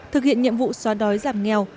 thực hiện nhiệm vụ xóa đói giảm nghèo